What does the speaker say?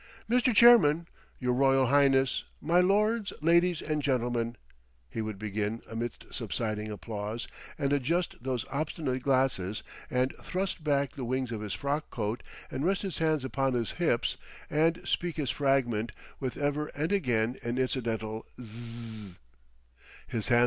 "Mr. Chairman, your Royal Highness, my Lords, Ladies and Gentlemen," he would begin amidst subsiding applause and adjust those obstinate glasses and thrust back the wings of his frock coat and rest his hands upon his hips and speak his fragment with ever and again an incidental Zzzz.